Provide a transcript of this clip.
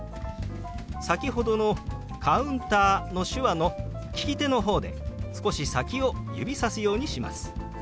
先ほどの「カウンター」の手話の利き手の方で少し先を指さすようにします。